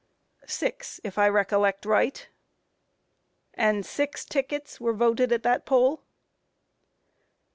A. Six, if I recollect right. Q. And six tickets voted at that poll?